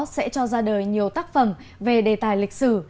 sẽ cho ra đời nhiều tác phẩm về đề tài lịch sử